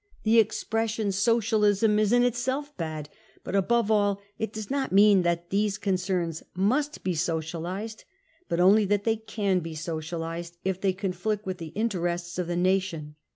..„ The expression socialism is in itself bad, but above ail it does not mean that these concerns be socialised, but only that they can be socialised, if they *'» conflict with the interests of the nation.